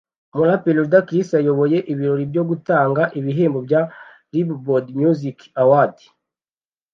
umuraperi Ludacris yayoboye ibirori byo gutanga ibihembo bya Billboard Music Awards